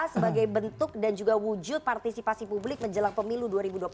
sebagai bentuk dan juga wujud partisipasi publik menjelang pemilu dua ribu dua puluh empat